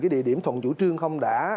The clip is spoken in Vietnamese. cái địa điểm thuận chủ trương không đã